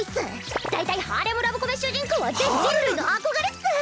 だいたいハーレムラブコメ主人公は全人類の憧れっス！